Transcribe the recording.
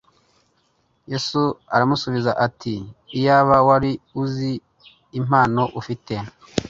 yesu aramusubiza ati “iyaba wari uzi impano ufite